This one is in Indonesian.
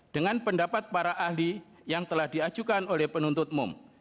dengan pendapat para ahli yang telah diajukan oleh penuntut umum